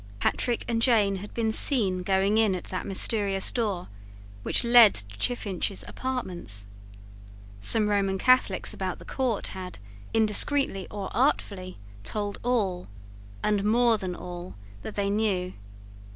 Patrick and Jane had been seen going in at that mysterious door which led to Chiffinch's apartments. Some Roman Catholics about the court had, indiscreetly or artfully, told all, and more than all, that they knew.